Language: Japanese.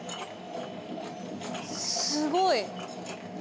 すごい。